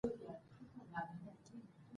د معاصرو ادبیاتو تاریخ یو علمي ژورنال دی.